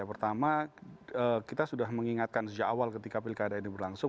pertama kita sudah mengingatkan sejak awal ketika pilkada ini berlangsung